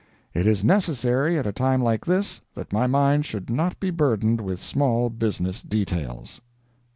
It is necessary, at a time like this, that my mind should not be burdened with small business details.